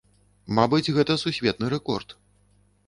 Мабыць, гэта сусветны рэкорд.